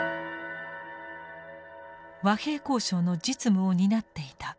和平交渉の実務を担っていた石射。